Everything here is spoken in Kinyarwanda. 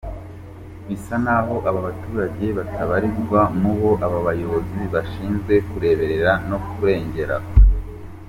Bisa naho aba baturage batabarizwa mubo aba bayobozi bashinzwe kureberera no kurengera!